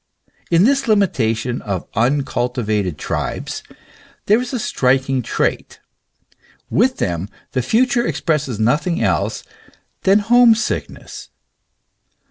* In this limitation of uncultivated tribes there is a striking trait. With them the future expresses nothing else than home sickness.